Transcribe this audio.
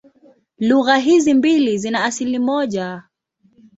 Lugha hizi mbili zina asili moja.